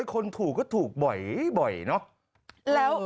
คนถูกก็ถูกบ่อยเนอะ